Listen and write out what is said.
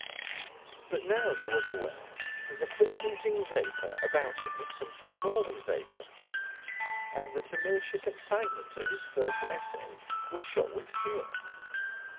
But now he was aware that the fluctuating vapour about him was something more than vapour, and the temerarious excitement of his first essay was shot with fear.